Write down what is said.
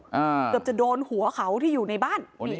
เกือบจะโดนหัวเขาที่อยู่ในบ้านนี่